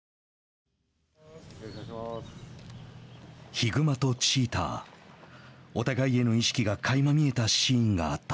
ヒグマとチーターお互いへの意識がかいま見えたシーンがあった。